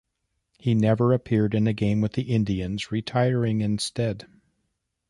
He never appeared in a game with the Indians, retiring instead.